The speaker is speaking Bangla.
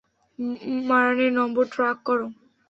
মারানের নম্বর ট্র্যাক করো।